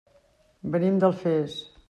Venim d'Alfés.